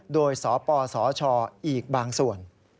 โดยสปสชอีกบางส่วน